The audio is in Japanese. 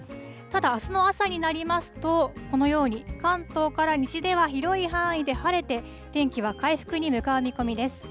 ただ、あすの朝になりますと、このように関東から西では、広い範囲で晴れて、天気は回復に向かう見込みです。